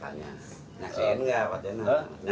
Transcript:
ngaksiin nggak pak jena